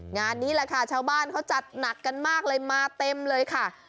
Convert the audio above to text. งานนี้แหละค่ะชาวบ้านเขาจัดหนักกันมากเลยมาเต็มเลยค่ะ